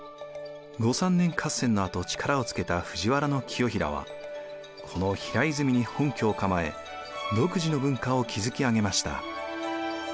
後三年合戦のあと力をつけた藤原清衡はこの平泉に本拠を構え独自の文化を築き上げました。